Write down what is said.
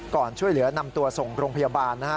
ช่วยเหลือนำตัวส่งโรงพยาบาลนะฮะ